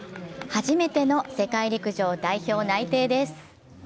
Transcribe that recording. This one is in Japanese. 初めての世界陸上代表内定です。